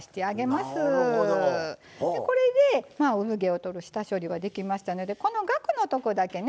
これで産毛をとる下処理ができましたのでこのがくのとこだけね